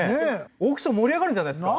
オークション盛り上がるんじゃないですか？